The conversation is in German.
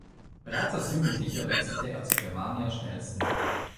Bereits als Jugendlicher wechselte er zu Germania Schnelsen.